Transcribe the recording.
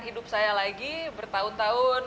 hidup saya lagi bertahun tahun